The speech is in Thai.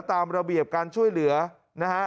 ตามระเบียบการช่วยเหลือนะฮะ